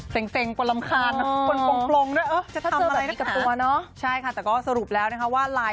เตรงประลำคาญ